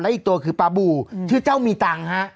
และอีกตัวคือประบุชื่อเจ้ามีตังฮะ